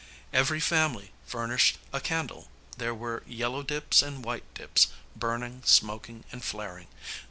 Every family furnished a candle. There were yellow dips and white dips, burning, smoking, and flaring.